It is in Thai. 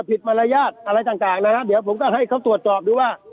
มารยาทอะไรต่างนะครับเดี๋ยวผมก็ให้เขาตรวจสอบดูว่า